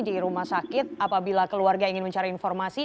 di rumah sakit apabila keluarga ingin mencari informasi